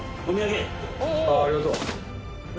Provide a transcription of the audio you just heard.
ありがとう。